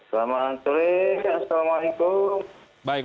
selamat sore assalamualaikum